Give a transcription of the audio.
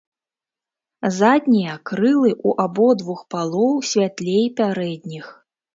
Заднія крылы ў абодвух палоў святлей пярэдніх.